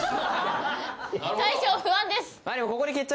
大将不安です。